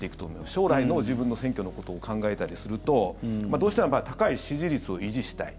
将来の自分の選挙のことを考えたりするとどうしてもやっぱり高い支持率を維持したい。